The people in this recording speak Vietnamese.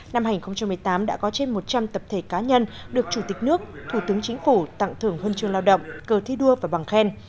năm hai nghìn một mươi tám đã có trên một trăm linh tập thể cá nhân được chủ tịch nước thủ tướng chính phủ tặng thưởng huân chương lao động cờ thi đua và bằng khen